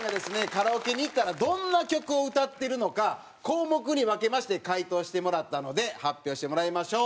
カラオケに行ったらどんな曲を歌ってるのか項目に分けまして回答してもらったので発表してもらいましょう。